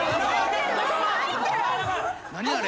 何あれ？